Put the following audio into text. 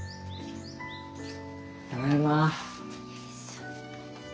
ただいま。